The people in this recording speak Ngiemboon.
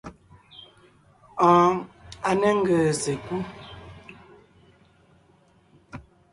Oon, a ne ńgèè sekú.